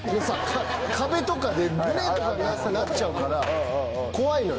壁とかでグネっとかなっちゃうから怖いのよ。